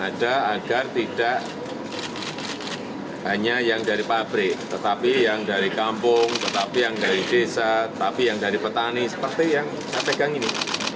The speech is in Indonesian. ada agar tidak hanya yang dari pabrik tetapi yang dari kampung tetapi yang dari desa tapi yang dari petani seperti yang saya pegang ini